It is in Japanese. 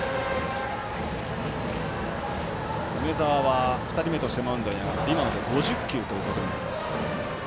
梅澤は、２人目としてマウンドに上がって今ので５０球となりました。